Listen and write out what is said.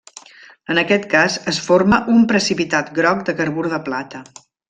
En aquest cas es forma un precipitat groc de carbur de plata.